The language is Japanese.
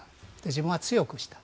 自分は強くした。